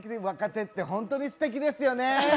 若手って本当にすてきですよね。